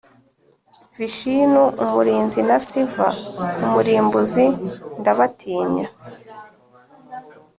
vishinu umurinzi na siva umurimbuzi ndabatinya